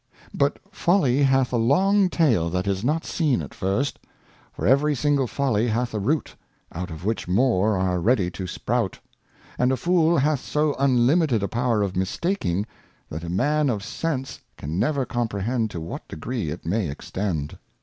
But Folly hath a long Tail that is not seen at first : for every single Folly hath a Root, out of which more are ready to sprout ; and a Fool hath so unlimited a Power of mistaking, that a Man of Sense can never comprehend to what degree it may extend.